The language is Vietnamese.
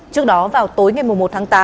trước đó vào tối ngày một tháng tám